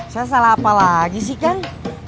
saya salah apa lagi sih kang